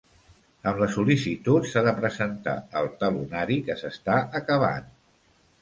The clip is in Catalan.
Amb la sol·licitud s'ha de presentar el talonari que s'està acabant.